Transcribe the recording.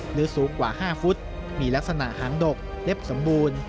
สูงกว่า๕ฟุตมีลักษณะหางดกเล็บสมบูรณ์